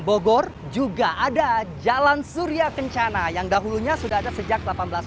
bogor juga ada jalan surya kencana yang dahulunya sudah ada sejak seribu delapan ratus sembilan puluh